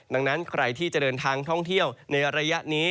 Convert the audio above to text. ดังนั้นใครที่จะเดินทางท่องเที่ยวในระยะนี้